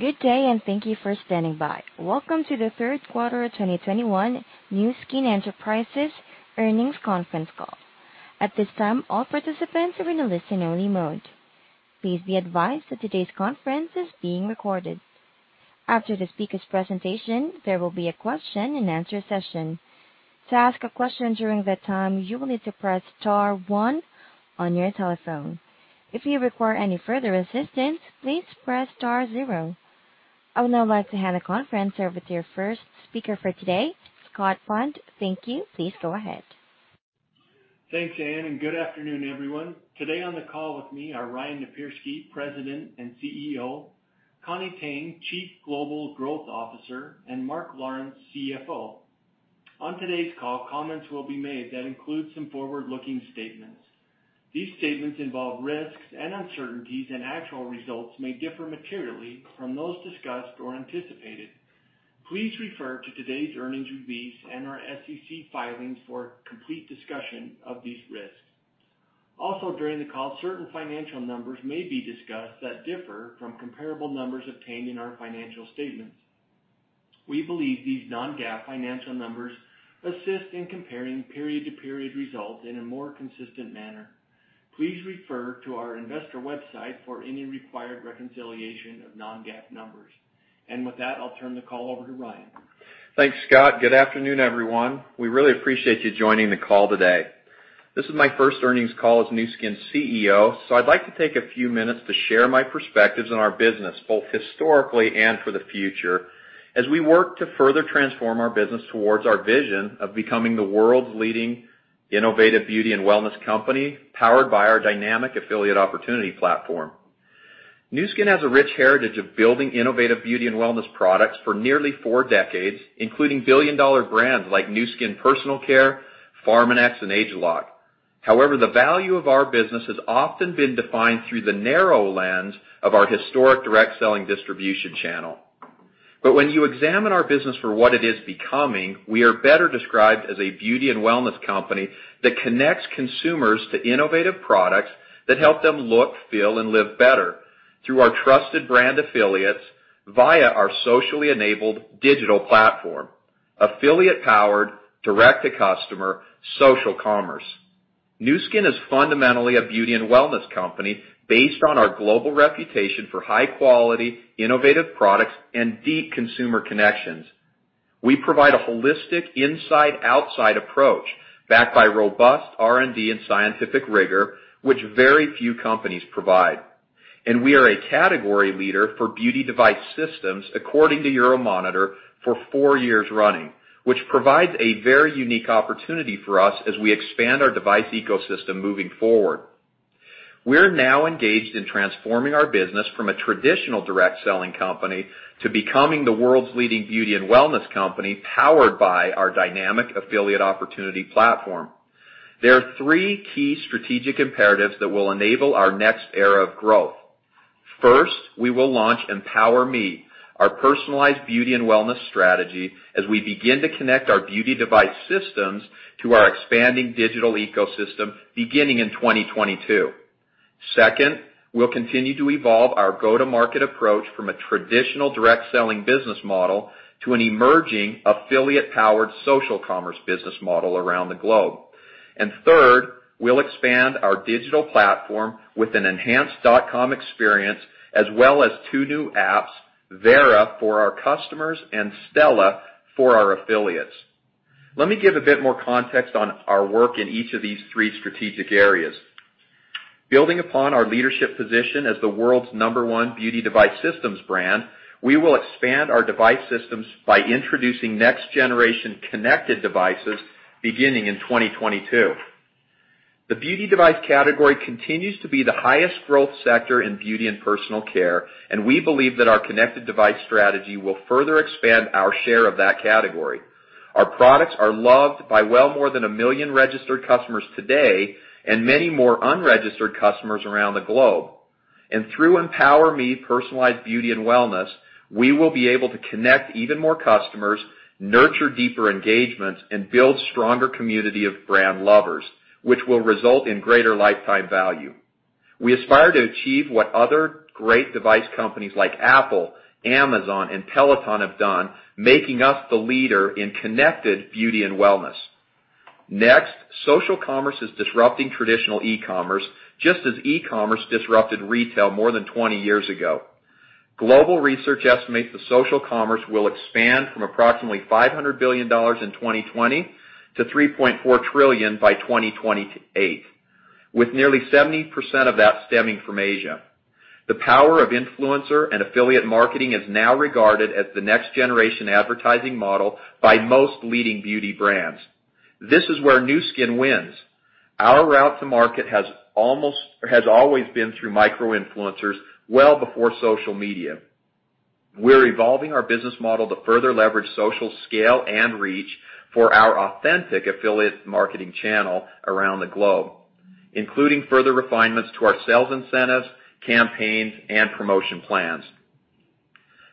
Good day, and thank you for standing by. Welcome to the third quarter 2021 Nu Skin Enterprises earnings conference call. At this time, all participants are in a listen-only mode. Please be advised that today's conference is being recorded. After the speaker's presentation, there will be a question and answer session. To ask a question during that time, you will need to press star one on your telephone. If you require any further assistance, please press star zero. I would now like to hand the conference over to your first speaker for today, Scott Pond. Thank you. Please go ahead. Thanks, Anne, and good afternoon, everyone. Today on the call with me are Ryan Napierski, President and CEO, Connie Tang, Chief Global Growth Officer, and Mark Lawrence, CFO. On today's call, comments will be made that include some forward-looking statements. These statements involve risks and uncertainties, and actual results may differ materially from those discussed or anticipated. Please refer to today's earnings release and our SEC filings for a complete discussion of these risks. Also, during the call, certain financial numbers may be discussed that differ from comparable numbers obtained in our financial statements. We believe these non-GAAP financial numbers assist in comparing period-to-period results in a more consistent manner. Please refer to our investor website for any required reconciliation of non-GAAP numbers. With that, I'll turn the call over to Ryan. Thanks, Scott. Good afternoon, everyone. We really appreciate you joining the call today. This is my first earnings call as Nu Skin's CEO, so I'd like to take a few minutes to share my perspectives on our business, both historically and for the future, as we work to further transform our business towards our vision of becoming the world's leading innovative beauty and wellness company, powered by our dynamic affiliate opportunity platform. Nu Skin has a rich heritage of building innovative beauty and wellness products for nearly four decades, including billion-dollar brands like Nu Skin Personal Care, Pharmanex, and ageLOC. However, the value of our business has often been defined through the narrow lens of our historic direct selling distribution channel. When you examine our business for what it is becoming, we are better described as a beauty and wellness company that connects consumers to innovative products that help them look, feel, and live better through our trusted brand affiliates via our socially enabled digital platform, affiliate-powered, direct-to-customer, social commerce. Nu Skin is fundamentally a beauty and wellness company based on our global reputation for high-quality, innovative products and deep consumer connections. We provide a holistic inside-outside approach backed by robust R&D and scientific rigor, which very few companies provide. We are a category leader for beauty device systems, according to Euromonitor, for four years running, which provides a very unique opportunity for us as we expand our device ecosystem moving forward. We're now engaged in transforming our business from a traditional direct selling company to becoming the world's leading beauty and wellness company, powered by our dynamic affiliate opportunity platform. There are three key strategic imperatives that will enable our next era of growth. First, we will launch EmpowerMe, our personalized beauty and wellness strategy, as we begin to connect our beauty device systems to our expanding digital ecosystem beginning in 2022. Second, we'll continue to evolve our go-to-market approach from a traditional direct selling business model to an emerging affiliate-powered social commerce business model around the globe. Third, we'll expand our digital platform with an enhanced dot-com experience, as well as two new apps, Vera for our customers and Stela for our affiliates. Let me give a bit more context on our work in each of these three strategic areas. Building upon our leadership position as the world's number one beauty device systems brand, we will expand our device systems by introducing next-generation connected devices beginning in 2022. The beauty device category continues to be the highest growth sector in beauty and personal care, and we believe that our connected device strategy will further expand our share of that category. Our products are loved by well more than 1 million registered customers today and many more unregistered customers around the globe. Through EmpowerMe personalized beauty and wellness, we will be able to connect even more customers, nurture deeper engagements, and build a stronger community of brand lovers, which will result in greater lifetime value. We aspire to achieve what other great device companies like Apple, Amazon, and Peloton have done, making us the leader in connected beauty and wellness. Next, social commerce is disrupting traditional e-commerce, just as e-commerce disrupted retail more than 20 years ago. Global research estimates that social commerce will expand from approximately $500 billion in 2020 to $3.4 trillion by 2028, with nearly 70% of that stemming from Asia. The power of influencer and affiliate marketing is now regarded as the next-generation advertising model by most leading beauty brands. This is where Nu Skin wins. Our route to market has always been through micro-influencers well before social media. We're evolving our business model to further leverage social scale and reach for our authentic affiliate marketing channel around the globe, including further refinements to our sales incentives, campaigns, and promotion plans.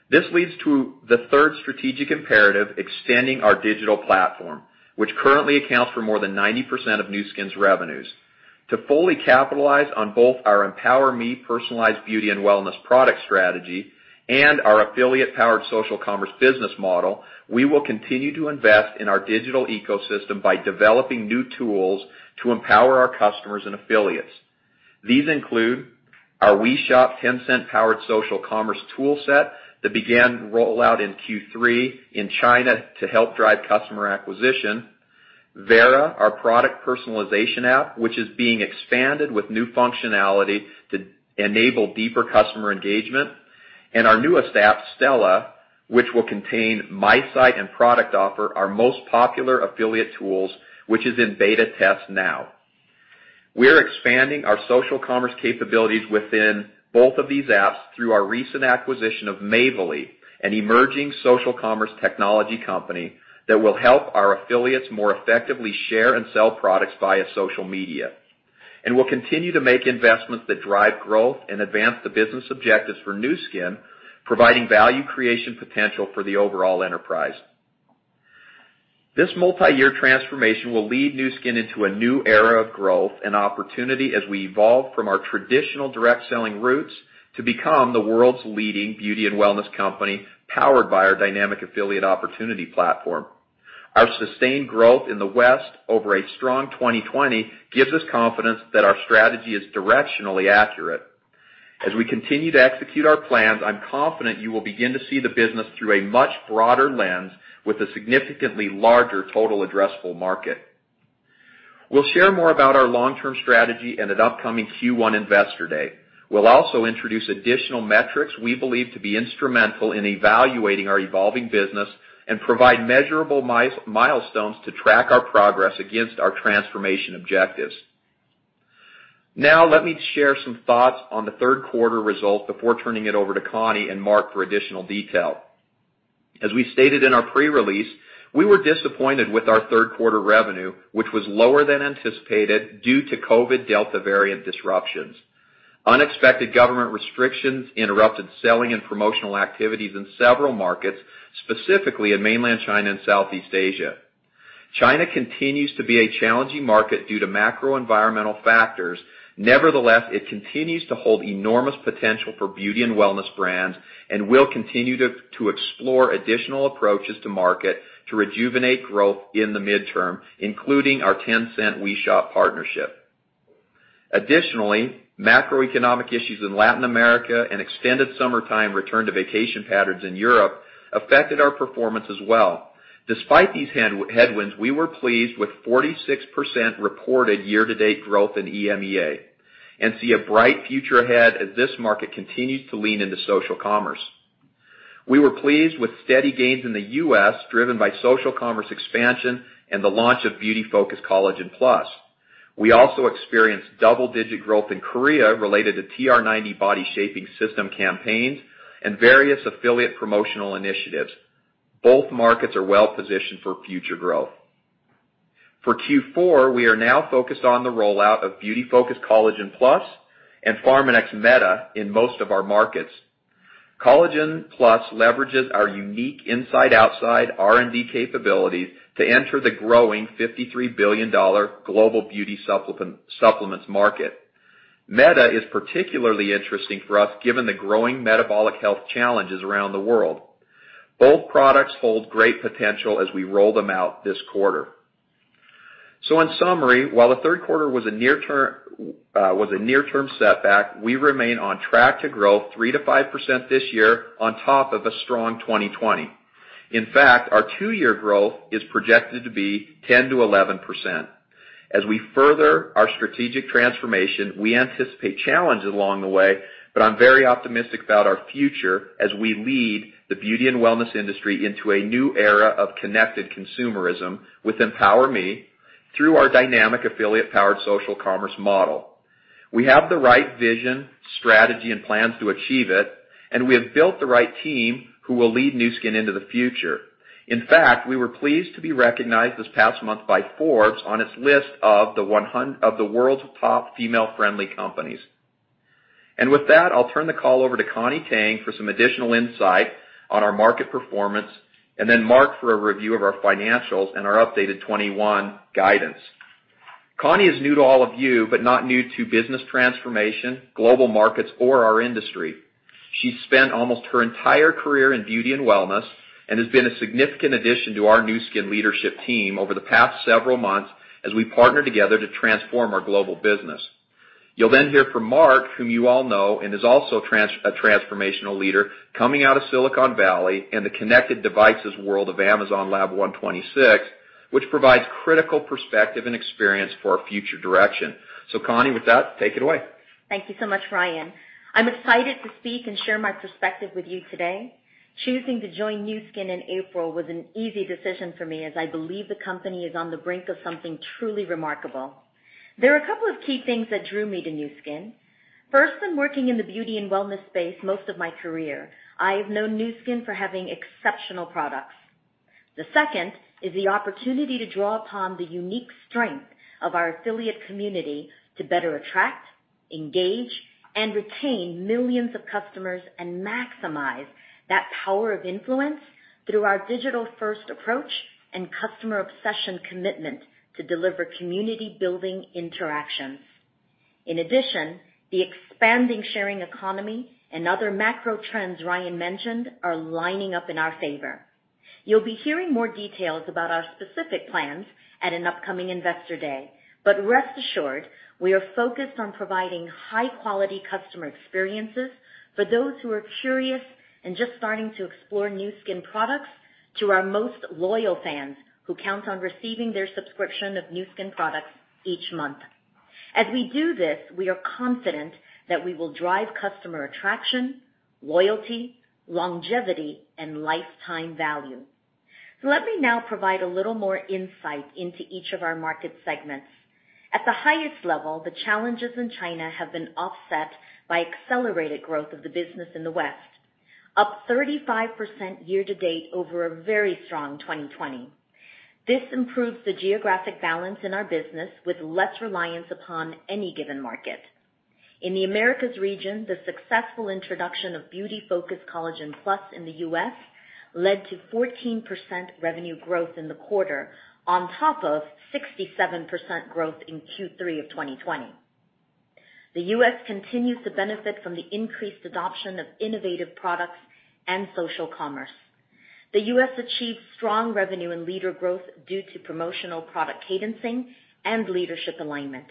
This leads to the third strategic imperative, extending our digital platform, which currently accounts for more than 90% of Nu Skin's revenues. To fully capitalize on both our EmpowerMe personalized beauty and wellness product strategy and our affiliate-powered social commerce business model, we will continue to invest in our digital ecosystem by developing new tools to empower our customers and affiliates. These include our WeShop Tencent-powered social commerce toolset that began rollout in Q3 in China to help drive customer acquisition, Vera, our product personalization app, which is being expanded with new functionality to enable deeper customer engagement. Our newest app, Stela, which will contain My Site and Product Offer, our most popular affiliate tools, which is in beta test now. We're expanding our social commerce capabilities within both of these apps through our recent acquisition of Mavely, an emerging social commerce technology company that will help our affiliates more effectively share and sell products via social media. We'll continue to make investments that drive growth and advance the business objectives for Nu Skin, providing value creation potential for the overall enterprise. This multi-year transformation will lead Nu Skin into a new era of growth and opportunity as we evolve from our traditional direct selling roots to become the world's leading beauty and wellness company, powered by our dynamic affiliate opportunity platform. Our sustained growth in the West over a strong 2020 gives us confidence that our strategy is directionally accurate. As we continue to execute our plans, I'm confident you will begin to see the business through a much broader lens with a significantly larger total addressable market. We'll share more about our long-term strategy in an upcoming Q1 Investor Day. We'll also introduce additional metrics we believe to be instrumental in evaluating our evolving business and provide measurable milestones to track our progress against our transformation objectives. Now, let me share some thoughts on the third quarter results before turning it over to Connie and Mark for additional detail. As we stated in our pre-release, we were disappointed with our third quarter revenue, which was lower than anticipated due to COVID-19 Delta variant disruptions. Unexpected government restrictions interrupted selling and promotional activities in several markets, specifically in mainland China and Southeast Asia. China continues to be a challenging market due to macro-environmental factors. Nevertheless, it continues to hold enormous potential for beauty and wellness brands, and we'll continue to explore additional approaches to market to rejuvenate growth in the mid-term, including our Tencent WeShop partnership. Additionally, macroeconomic issues in Latin America and extended summertime return to vacation patterns in Europe affected our performance as well. Despite these headwinds, we were pleased with 46% reported year-to-date growth in EMEA, and see a bright future ahead as this market continues to lean into social commerce. We were pleased with steady gains in the U.S., driven by social commerce expansion and the launch of Beauty Focus Collagen+. We also experienced double-digit growth in Korea related to ageLOC TR90 campaigns and various affiliate promotional initiatives. Both markets are well-positioned for future growth. For Q4, we are now focused on the rollout of Beauty Focus Collagen+ and ageLOC Meta in most of our markets. Collagen+ leverages our unique inside-outside R&D capabilities to enter the growing $53 billion global beauty supplements market. Meta is particularly interesting for us given the growing metabolic health challenges around the world. Both products hold great potential as we roll them out this quarter. In summary, while the third quarter was a near-term setback, we remain on track to grow 3%-5% this year on top of a strong 2020. In fact, our two-year growth is projected to be 10%-11%. As we further our strategic transformation, we anticipate challenges along the way, but I'm very optimistic about our future as we lead the beauty and wellness industry into a new era of connected consumerism with EmpowerMe through our dynamic affiliate-powered social commerce model. We have the right vision, strategy, and plans to achieve it, and we have built the right team who will lead Nu Skin into the future. In fact, we were pleased to be recognized this past month by Forbes on its list of the world's top female-friendly companies. With that, I'll turn the call over to Connie Tang for some additional insight on our market performance, and then Mark for a review of our financials and our updated 2021 guidance. Connie is new to all of you, but not new to business transformation, global markets, or our industry. She spent almost her entire career in beauty and wellness and has been a significant addition to our Nu Skin leadership team over the past several months as we partner together to transform our global business. You'll then hear from Mark, whom you all know, and is also a transformational leader coming out of Silicon Valley and the connected devices world of Amazon Lab126, which provides critical perspective and experience for our future direction. Connie, with that, take it away. Thank you so much, Ryan. I'm excited to speak and share my perspective with you today. Choosing to join Nu Skin in April was an easy decision for me as I believe the company is on the brink of something truly remarkable. There are a couple of key things that drew me to Nu Skin. First, when working in the beauty and wellness space most of my career, I have known Nu Skin for having exceptional products. The second is the opportunity to draw upon the unique strength of our affiliate community to better attract, engage, and retain millions of customers and maximize that power of influence through our digital-first approach and customer-obsessed commitment to deliver community-building interactions. In addition, the expanding sharing economy and other macro trends Ryan mentioned are lining up in our favor. You'll be hearing more details about our specific plans at an upcoming Investor Day. Rest assured, we are focused on providing high-quality customer experiences for those who are curious and just starting to explore Nu Skin products to our most loyal fans who count on receiving their subscription of Nu Skin products each month. As we do this, we are confident that we will drive customer attraction, loyalty, longevity, and lifetime value. Let me now provide a little more insight into each of our market segments. At the highest level, the challenges in China have been offset by accelerated growth of the business in the West, up 35% year-to-date over a very strong 2020. This improves the geographic balance in our business with less reliance upon any given market. In the Americas region, the successful introduction of Beauty Focus Collagen+ in the U.S. led to 14% revenue growth in the quarter, on top of 67% growth in Q3 of 2020. The U.S. continues to benefit from the increased adoption of innovative products and social commerce. The U.S. achieved strong revenue and leader growth due to promotional product cadencing and leadership alignment.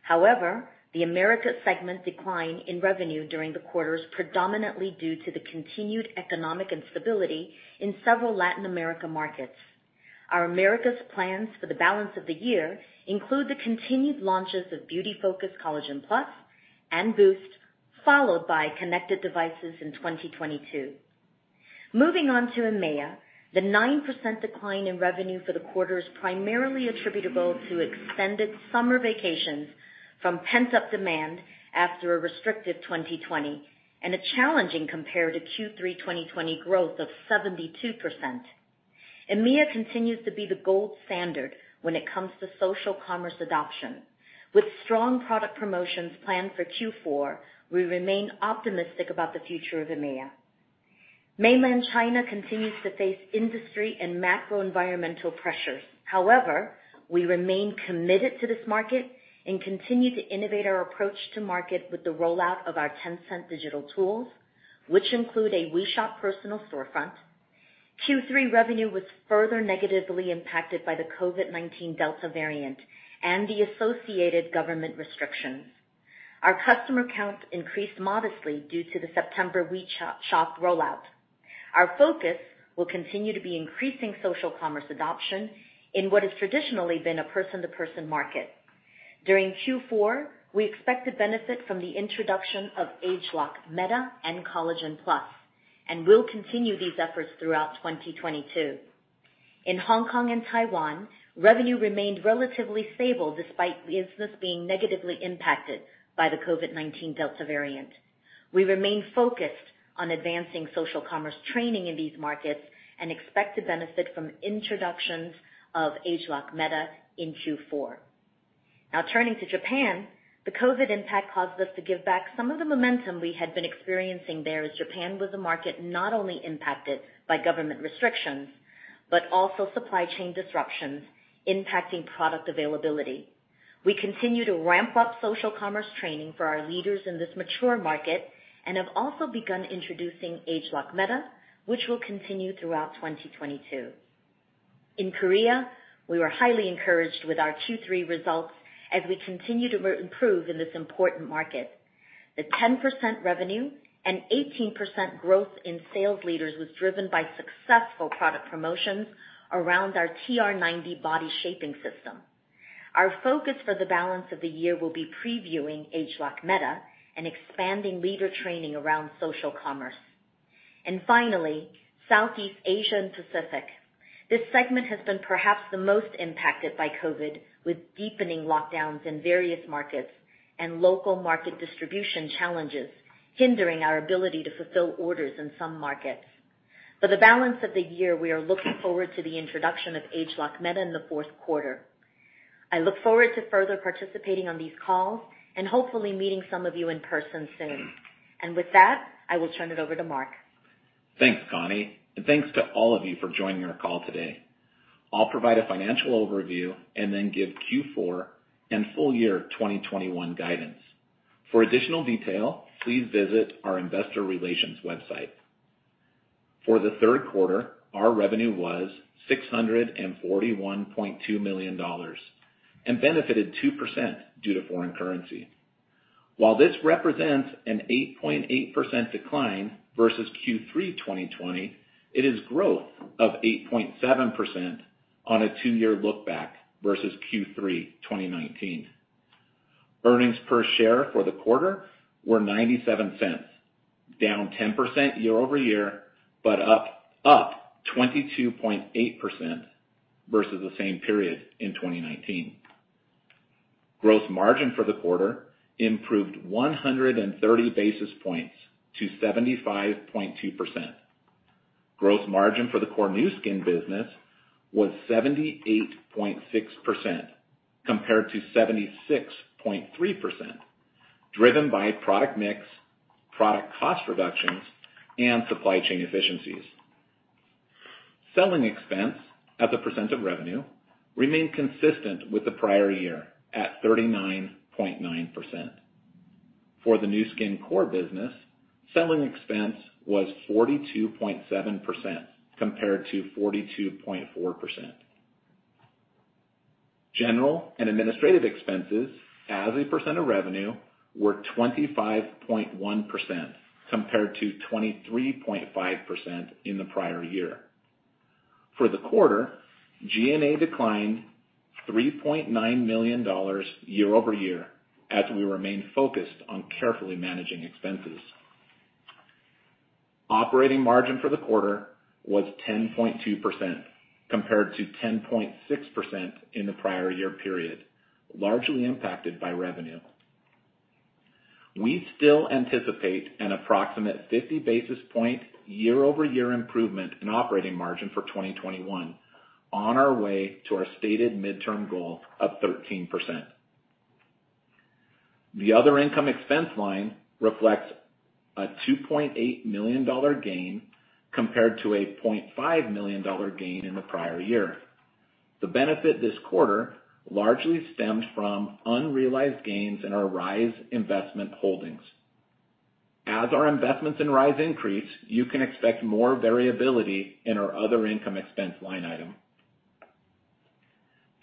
However, the Americas segment decline in revenue during the quarter is predominantly due to the continued economic instability in several Latin America markets. Our Americas plans for the balance of the year include the continued launches of Beauty Focus Collagen+ and ageLOC Boost, followed by connected devices in 2022. Moving on to EMEA, the 9% decline in revenue for the quarter is primarily attributable to extended summer vacations from pent-up demand after a restricted 2020 and a challenging comparison to Q3 2020 growth of 72%. EMEA continues to be the gold standard when it comes to social commerce adoption. With strong product promotions planned for Q4, we remain optimistic about the future of EMEA. Mainland China continues to face industry and macro-environmental pressures. However, we remain committed to this market and continue to innovate our approach to market with the rollout of our Tencent digital tools, which include a WeShop personal storefront. Q3 revenue was further negatively impacted by the COVID-19 Delta variant and the associated government restrictions. Our customer count increased modestly due to the September WeShop rollout. Our focus will continue to be increasing social commerce adoption in what has traditionally been a person-to-person market. During Q4, we expect to benefit from the introduction of ageLOC Meta and Beauty Focus Collagen+, and will continue these efforts throughout 2022. In Hong Kong and Taiwan, revenue remained relatively stable despite the business being negatively impacted by the COVID-19 Delta variant. We remain focused on advancing social commerce training in these markets and expect to benefit from introductions of ageLOC Meta in Q4. Now turning to Japan, the COVID impact caused us to give back some of the momentum we had been experiencing there as Japan was a market not only impacted by government restrictions, but also supply chain disruptions impacting product availability. We continue to ramp up social commerce training for our leaders in this mature market and have also begun introducing ageLOC Meta, which will continue throughout 2022. In Korea, we were highly encouraged with our Q3 results as we continue to improve in this important market. The 10% revenue and 18% growth in sales leaders was driven by successful product promotions around our ageLOC TR90 Body Shaping System. Our focus for the balance of the year will be previewing ageLOC Meta and expanding leader training around social commerce. Finally, Southeast Asia and Pacific. This segment has been perhaps the most impacted by COVID, with deepening lockdowns in various markets and local market distribution challenges hindering our ability to fulfill orders in some markets. For the balance of the year, we are looking forward to the introduction of ageLOC Meta in the fourth quarter. I look forward to further participating on these calls and hopefully meeting some of you in person soon. With that, I will turn it over to Mark. Thanks, Connie, and thanks to all of you for joining our call today. I'll provide a financial overview and then give Q4 and full year 2021 guidance. For additional detail, please visit our investor relations website. For the third quarter, our revenue was $641.2 million and benefited 2% due to foreign currency. While this represents an 8.8% decline versus Q3 2020, it is growth of 8.7% on a two-year look back versus Q3 2019. Earnings per share for the quarter were $0.97, down 10% year-over-year, but up 22.8% versus the same period in 2019. Gross margin for the quarter improved 100 basis points to 75.2%. Gross margin for the core Nu Skin business was 78.6% compared to 76.3%, driven by product mix, product cost reductions, and supply chain efficiencies. Selling expense as a percent of revenue remained consistent with the prior year at 39.9%. For the Nu Skin core business, selling expense was 42.7% compared to 42.4%. General and administrative expenses as a percent of revenue were 25.1% compared to 23.5% in the prior year. For the quarter, G&A declined $3.9 million year-over-year as we remain focused on carefully managing expenses. Operating margin for the quarter was 10.2% compared to 10.6% in the prior year period, largely impacted by revenue. We still anticipate an approximate 50 basis points year-over-year improvement in operating margin for 2021 on our way to our stated midterm goal of 13%. The other income expense line reflects a $2.8 million gain compared to a $0.5 million gain in the prior year. The benefit this quarter largely stemmed from unrealized gains in our Rhyz investment holdings. As our investments in Rhyz increase, you can expect more variability in our other income expense line item.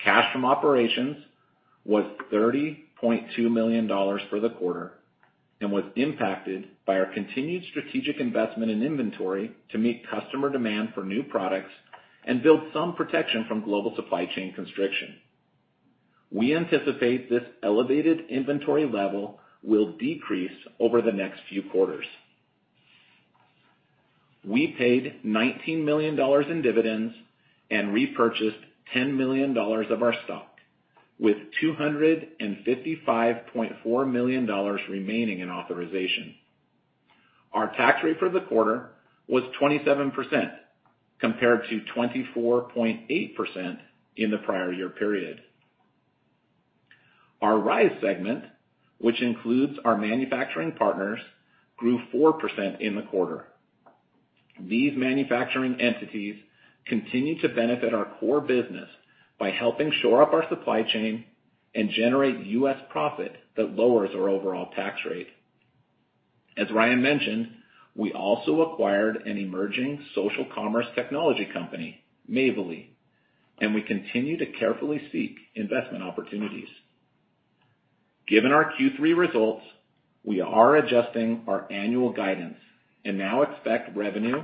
Cash from operations was $30.2 million for the quarter and was impacted by our continued strategic investment in inventory to meet customer demand for new products and build some protection from global supply chain constriction. We anticipate this elevated inventory level will decrease over the next few quarters. We paid $19 million in dividends and repurchased $10 million of our stock, with $255.4 million remaining in authorization. Our tax rate for the quarter was 27% compared to 24.8% in the prior year period. Our Rhyz segment, which includes our manufacturing partners, grew 4% in the quarter. These manufacturing entities continue to benefit our core business by helping shore up our supply chain and generate U.S. profit that lowers our overall tax rate. As Ryan mentioned, we also acquired an emerging social commerce technology company, Mavely, and we continue to carefully seek investment opportunities. Given our Q3 results, we are adjusting our annual guidance and now expect revenue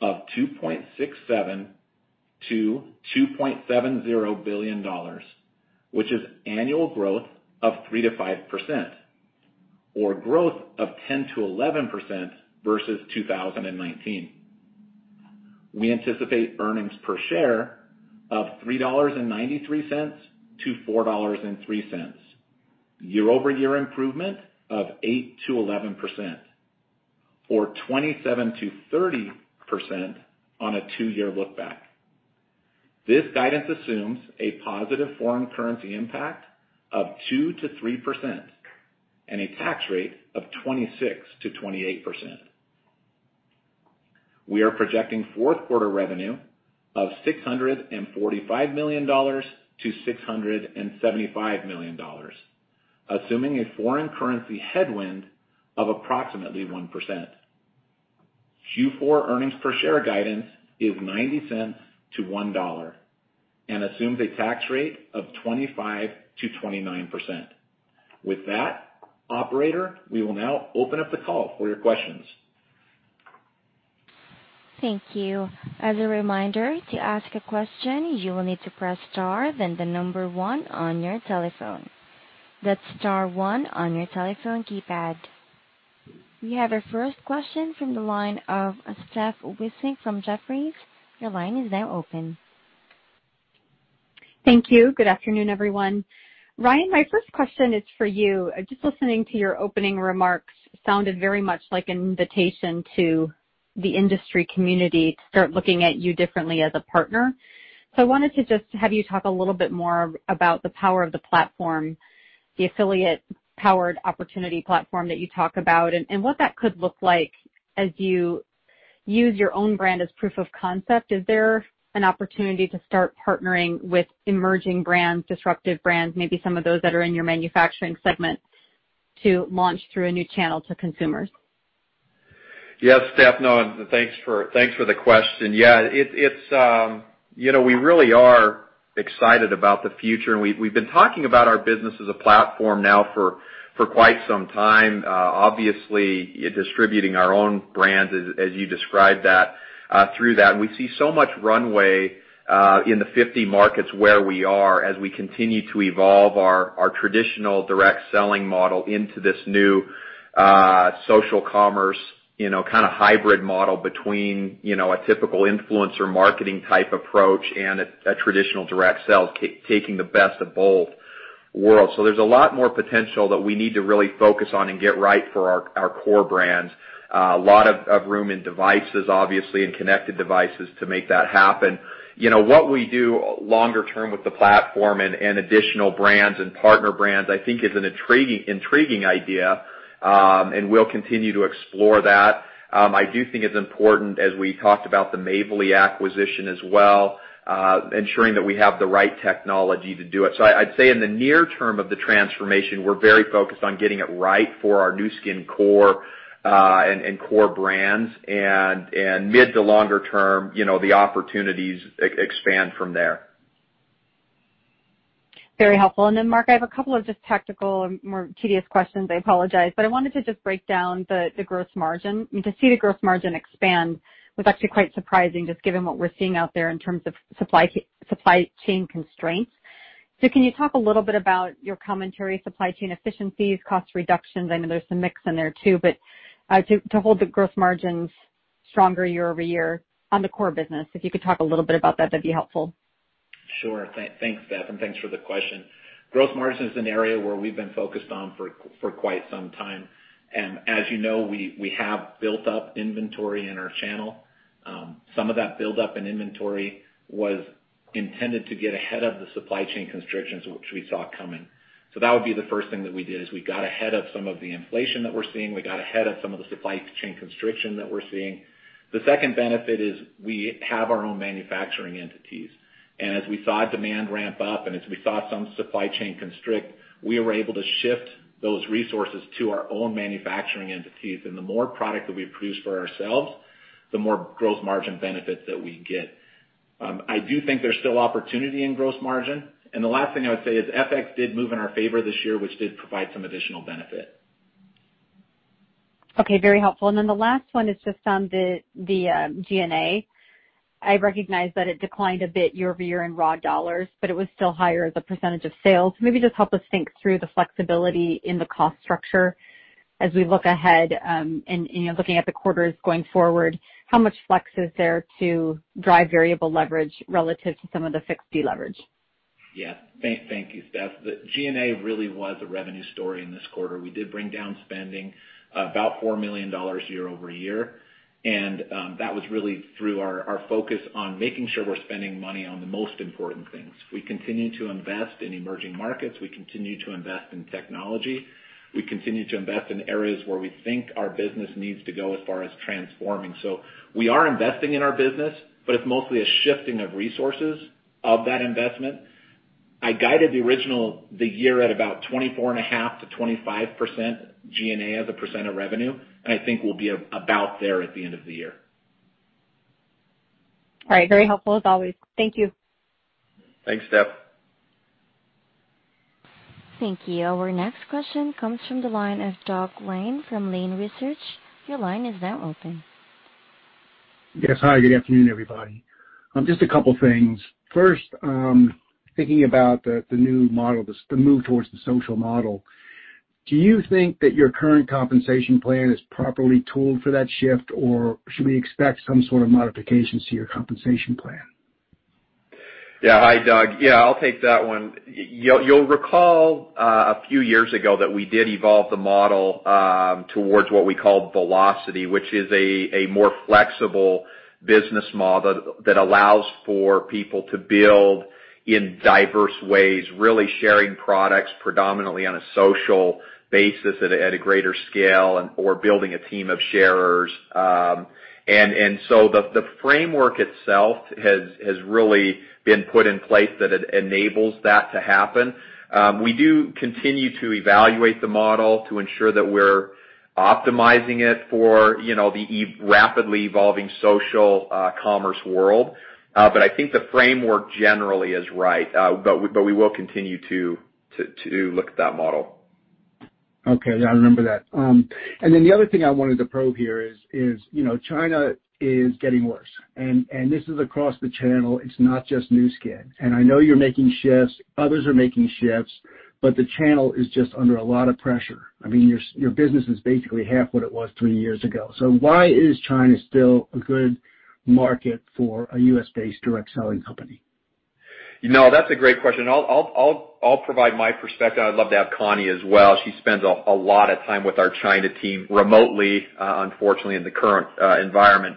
of $2.67 billion-$2.70 billion, which is annual growth of 3%-5%, or growth of 10%-11% versus 2019. We anticipate earnings per share of $3.93-$4.03. Year-over-year improvement of 8%-11%, or 27%-30% on a two-year look back. This guidance assumes a positive foreign currency impact of 2%-3% and a tax rate of 26%-28%. We are projecting fourth quarter revenue of $645 million-$675 million, assuming a foreign currency headwind of approximately 1%. Q4 earnings per share guidance is $0.90-$1.00 and assumes a tax rate of 25%-29%. With that, operator, we will now open up the call for your questions. Thank you. As a reminder, to ask a question, you will need to press star then the number one on your telephone. That's star one on your telephone keypad. We have our first question from the line of Stephanie Wissink from Jefferies. Your line is now open. Thank you. Good afternoon, everyone. Ryan, my first question is for you. Just listening to your opening remarks sounded very much like an invitation to the industry community to start looking at you differently as a partner. I wanted to just have you talk a little bit more about the power of the platform, the affiliate-powered opportunity platform that you talk about, and what that could look like as you use your own brand as proof of concept. Is there an opportunity to start partnering with emerging brands, disruptive brands, maybe some of those that are in your manufacturing segment, to launch through a new channel to consumers? Yes, Steph. Thanks for the question. Yeah, we really are excited about the future, and we've been talking about our business as a platform now for quite some time. Obviously, distributing our own brands as you described that through that, and we see so much runway in the 50 markets where we are as we continue to evolve our traditional direct selling model into this new social commerce, kind of hybrid model between a typical influencer marketing type approach and a traditional direct sell, taking the best of both. There's a lot more potential that we need to really focus on and get right for our core brands. A lot of room in devices, obviously, and connected devices to make that happen. What we do longer term with the platform and additional brands and partner brands, I think is an intriguing idea, and we'll continue to explore that. I do think it's important, as we talked about the Mavely acquisition as well, ensuring that we have the right technology to do it. I'd say in the near term of the transformation, we're very focused on getting it right for our Nu Skin core and core brands, and mid to longer term, the opportunities expand from there. Very helpful. Then Mark, I have a couple of just tactical and more tedious questions. I apologize. I wanted to just break down the gross margin. To see the gross margin expand was actually quite surprising, just given what we're seeing out there in terms of supply chain constraints. Can you talk a little bit about your commentary, supply chain efficiencies, cost reductions? I know there's some mix in there too, but to hold the gross margins stronger year-over-year on the core business, if you could talk a little bit about that'd be helpful. Sure. Thanks, Steph, and thanks for the question. Gross margin is an area where we've been focused on for quite some time. As you know, we have built up inventory in our channel. Some of that buildup in inventory was intended to get ahead of the supply chain constrictions, which we saw coming. That would be the first thing that we did, is we got ahead of some of the inflation that we're seeing. We got ahead of some of the supply chain constriction that we're seeing. The second benefit is we have our own manufacturing entities. As we saw demand ramp up, and as we saw some supply chain constrictions, we were able to shift those resources to our own manufacturing entities. The more product that we produce for ourselves, the more gross margin benefits that we get. I do think there's still opportunity in gross margin. The last thing I would say is FX did move in our favor this year, which did provide some additional benefit. Okay, very helpful. Then the last one is just on the G&A. I recognize that it declined a bit year-over-year in raw dollars, but it was still higher as a percentage of sales. Maybe just help us think through the flexibility in the cost structure as we look ahead. Looking at the quarters going forward, how much flex is there to drive variable leverage relative to some of the fixed deleverage? Yeah. Thank you, Steph. The G&A really was a revenue story in this quarter. We did bring down spending about $4 million year-over-year, and that was really through our focus on making sure we're spending money on the most important things. We continue to invest in emerging markets. We continue to invest in technology. We continue to invest in areas where we think our business needs to go as far as transforming. We are investing in our business, but it's mostly a shifting of resources of that investment. I guided the original, the year at about 24.5%-25% G&A as a percent of revenue, and I think we'll be about there at the end of the year. All right. Very helpful as always. Thank you. Thanks, Steph. Thank you. Our next question comes from the line of Doug Lane from Lane Research. Your line is now open. Yes. Hi, good afternoon, everybody. Just a couple of things. First, thinking about the new model, the move towards the social model, do you think that your current compensation plan is properly tooled for that shift, or should we expect some sort of modifications to your compensation plan? Yeah. Hi, Doug. Yeah, I'll take that one. You'll recall a few years ago that we did evolve the model towards what we call Velocity, which is a more flexible business model that allows for people to build in diverse ways, really sharing products predominantly on a social basis at a greater scale or building a team of sharers. The framework itself has really been put in place that it enables that to happen. We do continue to evaluate the model to ensure that we're optimizing it for the rapidly evolving social commerce world. I think the framework generally is right. We will continue to look at that model. Okay. Yeah, I remember that. Then the other thing I wanted to probe here is, China is getting worse, and this is across the channel. It's not just Nu Skin. I know you're making shifts, others are making shifts, but the channel is just under a lot of pressure. I mean, your business is basically half what it was three years ago. Why is China still a good market for a U.S.-based direct selling company? No, that's a great question. I'll provide my perspective. I'd love to have Connie as well. She spends a lot of time with our China team remotely, unfortunately, in the current environment.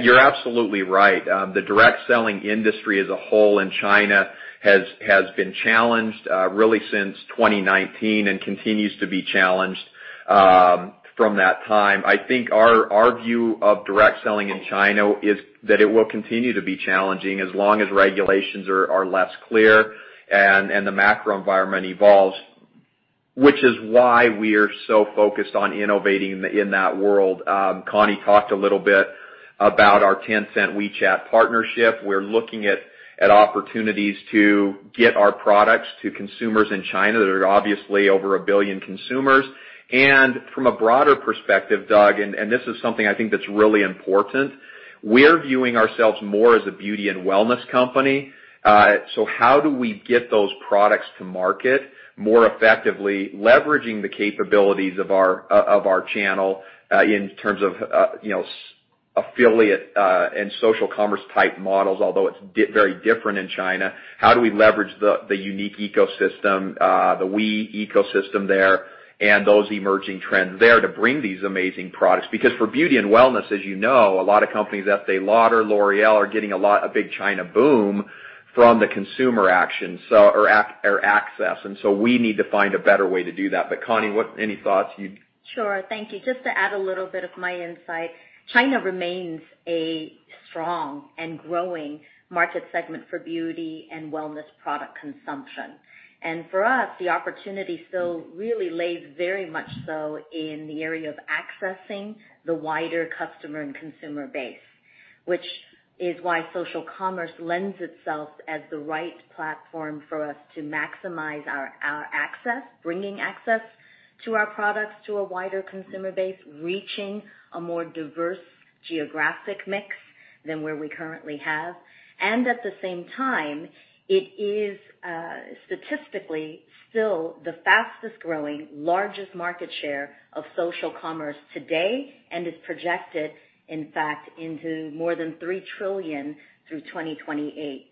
You're absolutely right. The direct selling industry as a whole in China has been challenged really since 2019 and continues to be challenged from that time. I think our view of direct selling in China is that it will continue to be challenging as long as regulations are less clear and the macro environment evolves, which is why we are so focused on innovating in that world. Connie talked a little bit about our Tencent WeChat partnership. We're looking at opportunities to get our products to consumers in China. There are obviously over a billion consumers. From a broader perspective, Doug, and this is something I think that's really important, we're viewing ourselves more as a beauty and wellness company. How do we get those products to market more effectively, leveraging the capabilities of our channel in terms of affiliate, and social commerce type models, although it's very different in China. How do we leverage the unique ecosystem, the WeChat ecosystem there, and those emerging trends there to bring these amazing products? Because for beauty and wellness, as you know, a lot of companies, Estée Lauder, L'Oréal, are getting a big China boom from the consumer traction, or access. We need to find a better way to do that. Connie, any thoughts? Sure. Thank you. Just to add a little bit of my insight, China remains a strong and growing market segment for beauty and wellness product consumption. For us, the opportunity still really lies very much so in the area of accessing the wider customer and consumer base, which is why social commerce lends itself as the right platform for us to maximize our access, bringing access to our products to a wider consumer base, reaching a more diverse geographic mix than where we currently have. At the same time, it is statistically still the fastest-growing, largest market share of social commerce today and is projected, in fact, to more than $3 trillion through 2028.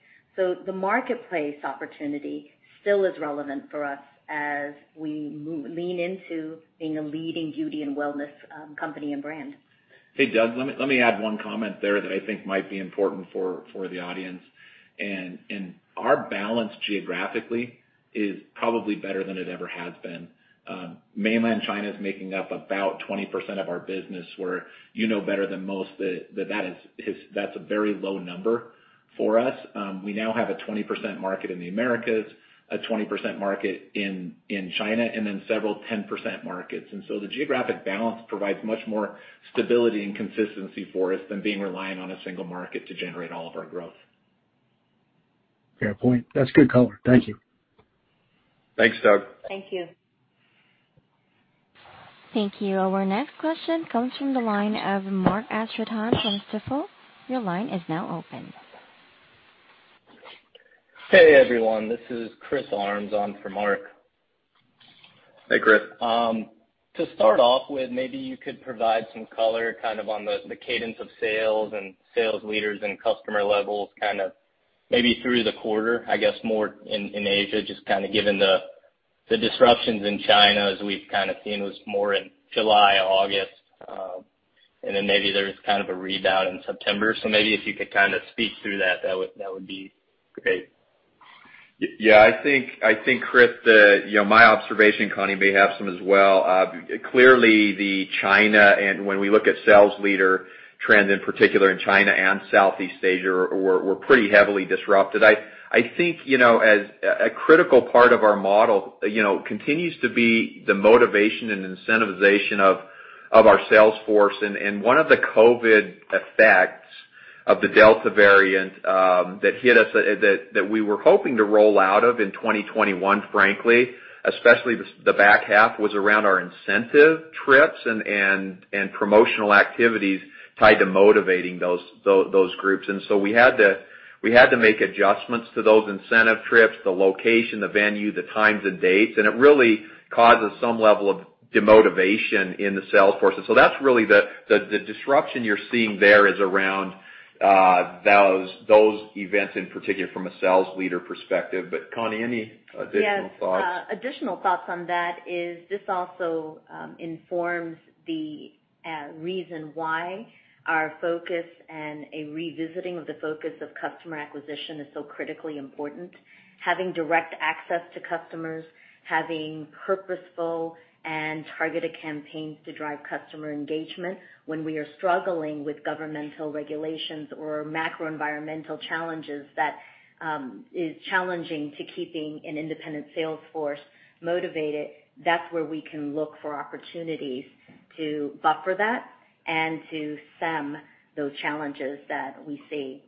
The marketplace opportunity still is relevant for us as we lean into being a leading beauty and wellness company and brand. Hey, Doug, let me add one comment there that I think might be important for the audience. Our balance geographically is probably better than it ever has been. Mainland China is making up about 20% of our business, where you know better than most that that's a very low number for us. We now have a 20% market in the Americas, a 20% market in China, and then several 10% markets. The geographic balance provides much more stability and consistency for us than being reliant on a single market to generate all of our growth. Fair point. That's good color. Thank you. Thanks, Doug. Thank you. Thank you. Our next question comes from the line of Mark Astrachan from Stifel. Your line is now open. Hey, everyone, this is Chris Armes on for Mark. Hey, Chris. To start off with, maybe you could provide some color on the cadence of sales and sales leaders and customer levels, maybe through the quarter. I guess more in Asia, just given the disruptions in China as we've seen was more in July, August, and then maybe there's kind of a rebound in September. Maybe if you could speak through that would be great. Yeah. I think, Chris, my observation, Connie may have some as well, clearly the China, and when we look at sales leader trends in particular in China and Southeast Asia, we're pretty heavily disrupted. I think, a critical part of our model continues to be the motivation and incentivization of our sales force. One of the COVID-19 effects of the Delta variant, that we were hoping to roll out of in 2021, frankly, especially the back half, was around our incentive trips and promotional activities tied to motivating those groups. We had to make adjustments to those incentive trips, the location, the venue, the times and dates, and it really causes some level of demotivation in the sales force. That's really the disruption you're seeing there is around those events in particular from a sales leader perspective. Connie, any additional thoughts? Yes. Additional thoughts on that is this also informs the reason why our focus and a revisiting of the focus of customer acquisition is so critically important. Having direct access to customers, having purposeful and targeted campaigns to drive customer engagement when we are struggling with governmental regulations or macro-environmental challenges that is challenging to keeping an independent sales force motivated, that's where we can look for opportunities to buffer that and to stem those challenges that we see.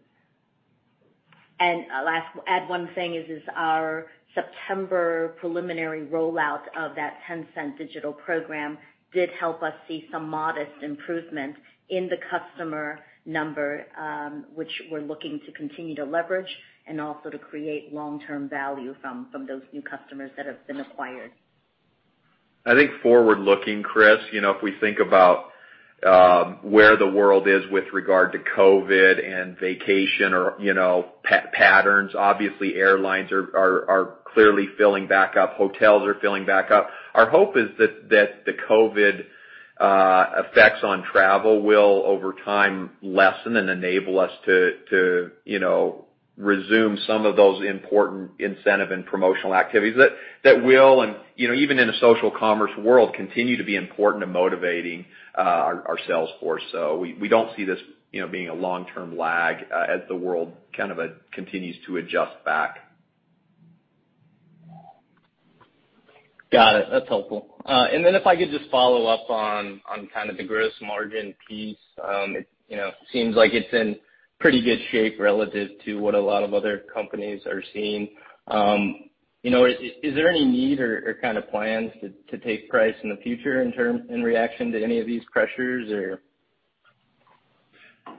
Last, add one thing is our September preliminary rollout of that Tencent digital program did help us see some modest improvement in the customer number, which we're looking to continue to leverage and also to create long-term value from those new customers that have been acquired. I think forward-looking, Chris, if we think about where the world is with regard to COVID and vacation travel patterns, obviously airlines are clearly filling back up. Hotels are filling back up. Our hope is that the COVID effects on travel will, over time, lessen and enable us to resume some of those important incentive and promotional activities that will, and even in a social commerce world, continue to be important to motivating our sales force. We don't see this being a long-term lag as the world kind of continues to adjust back. Got it. That's helpful. If I could just follow up on kind of the gross margin piece. It seems like it's in pretty good shape relative to what a lot of other companies are seeing. Is there any need or kind of plans to take price in the future in reaction to any of these pressures?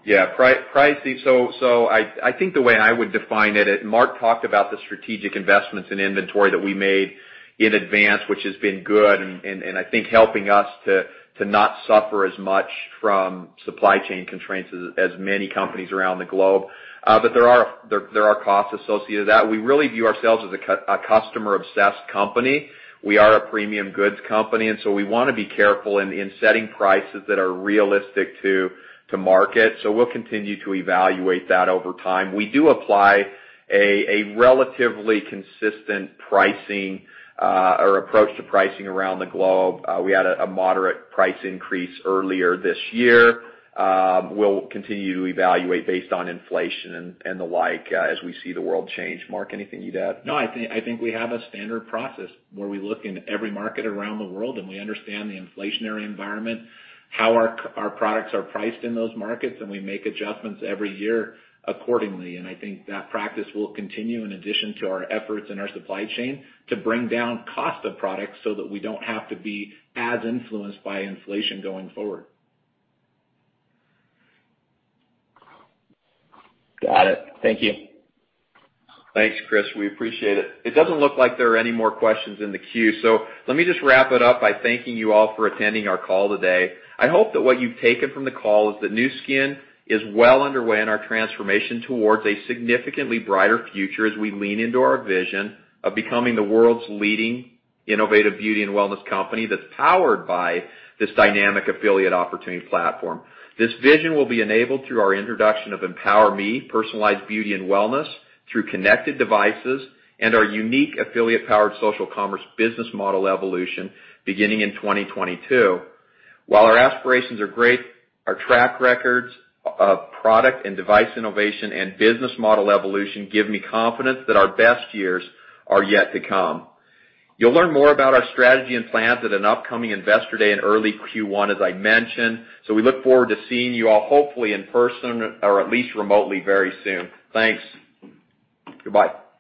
Yeah. Pricing, I think the way I would define it, Mark talked about the strategic investments in inventory that we made in advance, which has been good and I think helping us to not suffer as much from supply chain constraints as many companies around the globe. There are costs associated with that. We really view ourselves as a customer-obsessed company. We are a premium goods company, and we want to be careful in setting prices that are realistic to market. We'll continue to evaluate that over time. We do apply a relatively consistent pricing or approach to pricing around the globe. We had a moderate price increase earlier this year. We'll continue to evaluate based on inflation and the like, as we see the world change. Mark, anything you'd add? No, I think we have a standard process where we look in every market around the world, and we understand the inflationary environment, how our products are priced in those markets, and we make adjustments every year accordingly. I think that practice will continue in addition to our efforts in our supply chain to bring down cost of products so that we don't have to be as influenced by inflation going forward. Got it. Thank you. Thanks, Chris. We appreciate it. It doesn't look like there are any more questions in the queue, so let me just wrap it up by thanking you all for attending our call today. I hope that what you've taken from the call is that Nu Skin is well underway in our transformation towards a significantly brighter future as we lean into our vision of becoming the world's leading innovative beauty and wellness company that's powered by this dynamic affiliate opportunity platform. This vision will be enabled through our introduction of EmpowerMe personalized beauty and wellness through connected devices and our unique affiliate-powered social commerce business model evolution beginning in 2022. While our aspirations are great, our track records of product and device innovation and business model evolution give me confidence that our best years are yet to come. You'll learn more about our strategy and plans at an upcoming Investor Day in early Q1, as I mentioned. We look forward to seeing you all hopefully in person or at least remotely very soon. Thanks. Goodbye.